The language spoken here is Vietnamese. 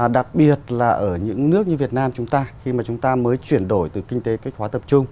đặc biệt là ở những nước như việt nam chúng ta khi mà chúng ta mới chuyển đổi từ kinh tế cách hóa tập trung